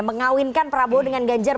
mengawinkan prabowo dengan ganjar